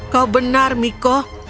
kau benar miko